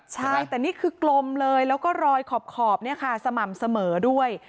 ใช่แต่นี่คือกลมเลยแล้วก็รอยขอบเนี่ยค่ะสม่ำเสมอด้วย